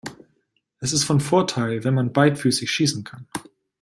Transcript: Es ist von Vorteil, wenn man beidfüßig schießen kann.